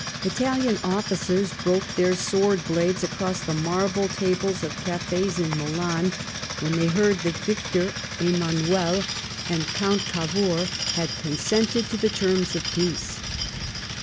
Italian officers broke their sword blades across the marble tables of cafes in Milan when they heard that Victor Emanuel and Count Cavour had consented to the terms of peace.